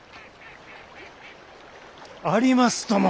ありますとも！